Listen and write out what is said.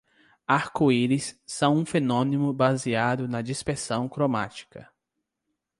Arco-íris são um fenômeno baseado na dispersão cromática.